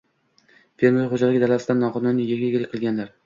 Fermer xoʼjaligi dalasidan noqonuniy yerga egalik qilganlar